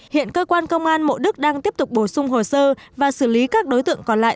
hiện cơ quan công an mộ đức đang tiếp tục bổ sung hồ sơ và xử lý các đối tượng còn lại